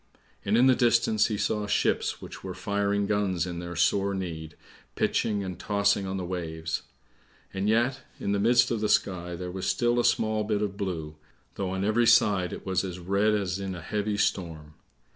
And in the distance he saw ships which were firing guns in their sore need, pitching and tossing on the waves. And yet in the midst of the sky there was still a small bit of blue, though on every side it was as red as in a heavy storm.